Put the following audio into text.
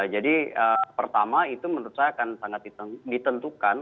jadi pertama itu menurut saya akan sangat ditentukan